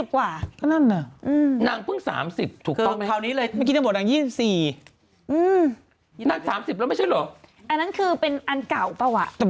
ก็เมื่อกี้เขาบอกรุ่นนี้แต่เพื่อนลูกรุ่น๔๐